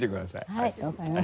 はい分かりました。